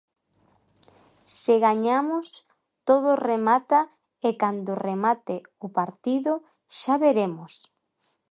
Se gañamos, todo remata e, cando remate o partido, xa veremos.